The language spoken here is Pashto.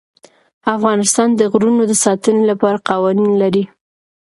افغانستان د غرونه د ساتنې لپاره قوانین لري.